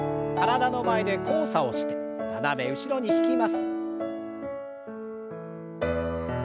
体の前で交差をして斜め後ろに引きます。